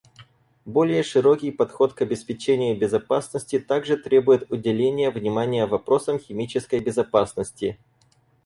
Более широкий подход к обеспечению безопасности также требует уделения внимания вопросам химической безопасности.